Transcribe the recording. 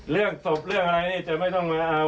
เรื่องศพเรื่องอะไรนี้จะเปลี่ยนไปไหมครับ